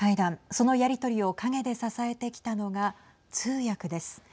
そのやり取りを陰で支えてきたのが通訳です。